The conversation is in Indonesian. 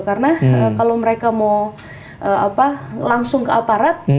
karena kalau mereka mau langsung ke aparat